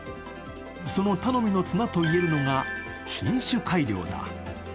その頼みの綱と言えるのが品種改良だ。